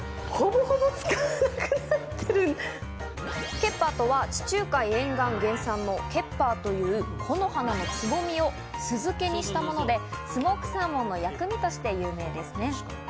ケッパーとは地中海沿岸原産のケッパーという木の葉のつぼみを酢漬けにしたもので、スモークサーモンの薬味として有名ですね。